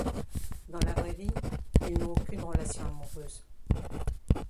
Dans la vraie vie, ils n'ont aucune relation amoureuse.